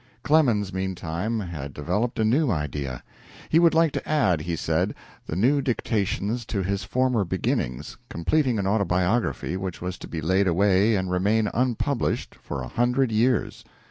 Clemens, meantime, had developed a new idea: he would like to add, he said, the new dictations to his former beginnings, completing an autobiography which was to be laid away and remain unpublished for a hundred years.